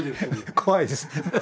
怖いです。